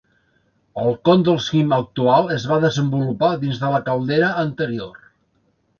El con del cim actual es va desenvolupar dins de la caldera anterior.